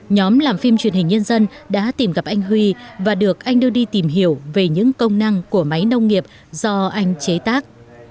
nhóm làm phim truyền hình nhân dân đã tìm gặp anh huy và được anh đưa đi tìm hiểu về những công năng của máy nông nghiệp do anh chế tác